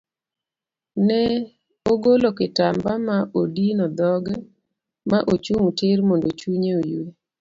Ne ogolo kitamba ma odino dhoge ma ochung tir mondo chunye oyue.